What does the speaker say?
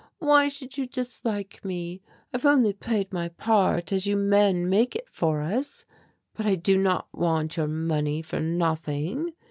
Why should you dislike me? I've only played my part as you men make it for us but I do not want your money for nothing.